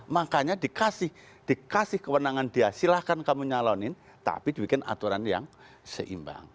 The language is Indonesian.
makanya dikasih kewenangan dia silahkan kamu nyalonin tapi dibikin aturan yang seimbang